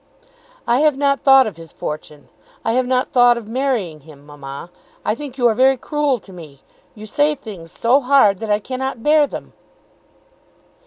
"I have not thought of his fortune. I have not thought of marrying him, mamma. I think you are very cruel to me. You say things so hard, that I cannot bear them."